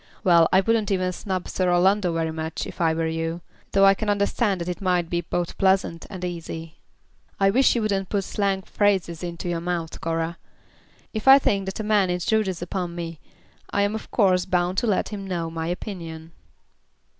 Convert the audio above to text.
Well, I wouldn't even snub Sir Orlando very much, if I were you; though I can understand that it might be both pleasant and easy." "I wish you wouldn't put slang phrases into my mouth, Cora. If I think that a man intrudes upon me, I am of course bound to let him know my opinion."